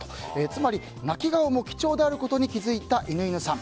つまり、泣き顔も貴重であることに気付いた犬犬さん。